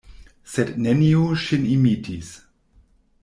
Sed neniu ŝin imitis.